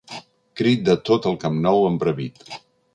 Crit de tot el Camp Nou embravit.